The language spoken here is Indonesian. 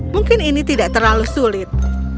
mungkin ini tidak terlalu sulit